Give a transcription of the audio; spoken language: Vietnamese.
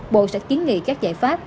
bộ sẽ kiến nghị các giải pháp